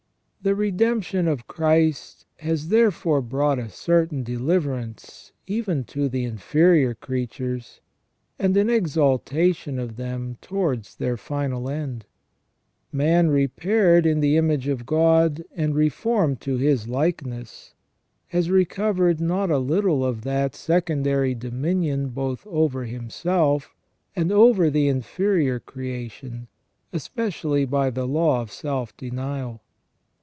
The redemption of Christ has therefore brought a certain de liverance even to the inferior creatures, and an exaltation of them towards their final end. Man repaired in the image of God, and reformed to His likeness, has recovered not a little of that secondary dominion both over himself and over the inferior creation, especially by the law of self denial.